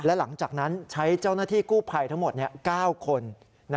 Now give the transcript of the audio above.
และหลังจากนั้นใช้เจ้าหน้าที่กู้ภัยทั้งหมด๙คน